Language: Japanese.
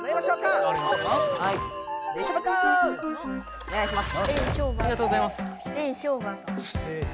おねがいします。